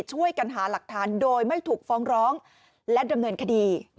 ช่วยกันหาหลักฐานโดยไม่ถูกฟ้องร้องและดำเนินคดี